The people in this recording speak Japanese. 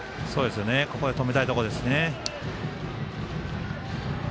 ここで止めたいところですね。